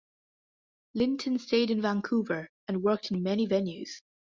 Linton stayed in Vancouver and worked in many venues.